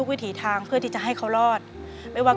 เปลี่ยนเพลงเพลงเก่งของคุณและข้ามผิดได้๑คำ